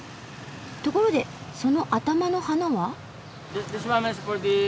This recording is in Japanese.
ところでその頭の花は？